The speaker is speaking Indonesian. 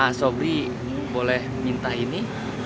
pak sobri boleh minta ini